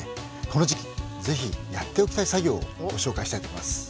この時期是非やっておきたい作業をご紹介したいと思います。